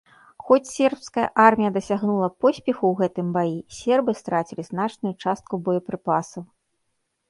Хоць сербская армія дасягнула поспеху ў гэтым баі, сербы страцілі значную частку боепрыпасаў.